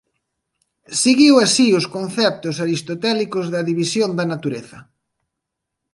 Seguiu así os conceptos aristotélicos da división da natureza.